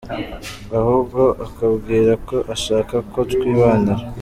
Ahubwo akambwira ko ashaka ko twibanira.